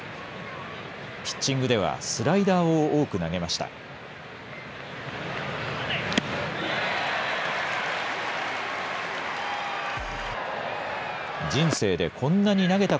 ピッチングではスライダーを多く投げました。